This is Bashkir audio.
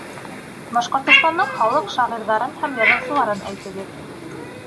Башҡортостандың халыҡ шағирҙарын һәм яҙыусыларын әйтегеҙ.